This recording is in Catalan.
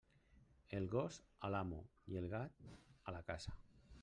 El gos a l'amo, i el gat a la casa.